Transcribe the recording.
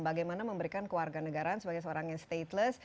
bagaimana memberikan kewarganegaraan sebagai seorang yang stateless